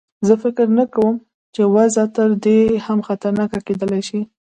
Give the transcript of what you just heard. زه فکر نه کوم چې وضع تر دې هم خطرناکه کېدلای شي.